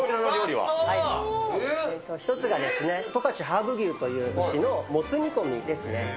１つがですね、十勝ハーブ牛という牛のモツ煮込みですね。